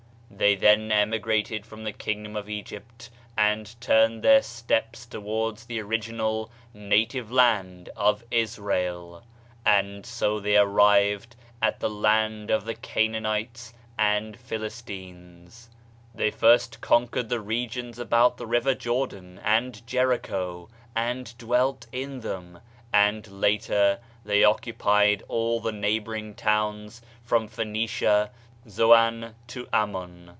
They then emigrated from the king * A Persian name for the river Oxus. 87 Diaiiizedb, Google MYSTERIOUS FORCES dom of Egypt and turned their steps towards the original, native land of Israel ; and so they arrived at the land of the Canaanites and Philistines. They first conquered the regions about the river Jordan and Jericho and dwelt in them, and later they occupied all the neighboring towns from Phcenicia, Zoan to Ammon.